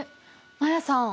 マヤさん